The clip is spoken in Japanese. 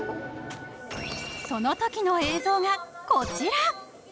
［そのときの映像がこちら］